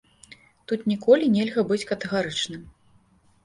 Тут ніколі нельга быць катэгарычным.